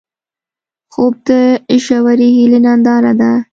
خوب د ژورې هیلې ننداره ده